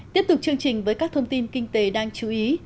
tiếp tục chương trình với các thông tin kinh tế đáng chú ý